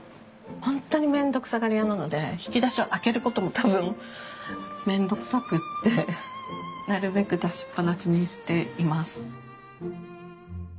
ほんとに面倒くさがり屋なので引き出しを開けることも多分面倒くさくって。なるべく出しっぱなしにしています。